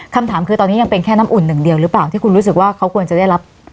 คำถามคือตอนนี้ยังเป็นแค่น้ำอุ่นหนึ่งเดียวหรือเปล่าที่คุณรู้สึกว่าเขาควรจะได้รับ